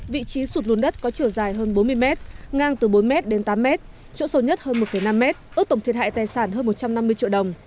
vị trí sụt lún đất có chiều dài hơn bốn mươi mét ngang từ bốn m đến tám m chỗ sâu nhất hơn một năm mét ước tổng thiệt hại tài sản hơn một trăm năm mươi triệu đồng